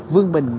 vương mình mạnh mẽ